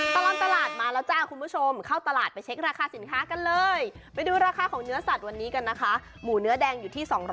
ตลอดตลาดมาแล้วจ้าคุณผู้ชมเข้าตลาดไปเช็คราคาสินค้ากันเลยไปดูราคาของเนื้อสัตว์วันนี้กันนะคะหมูเนื้อแดงอยู่ที่๒๐๐